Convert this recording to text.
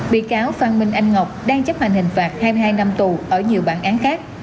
bị cáo phan minh anh ngọc đang chấp hành hình phạt hai mươi hai năm tù ở nhiều bản án khác